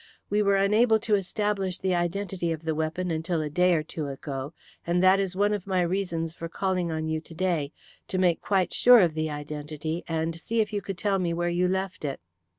We were unable to establish the identity of the weapon until a day or two ago, and that is one of my reasons for calling on you to day to make quite sure of the identity and see if you could tell me where you left it."